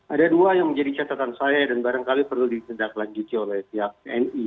ada dua yang menjadi catatan saya dan barangkali perlu ditindaklanjuti oleh pihak tni